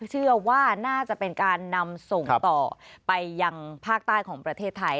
เชื่อว่าน่าจะเป็นการนำส่งต่อไปยังภาคใต้ของประเทศไทย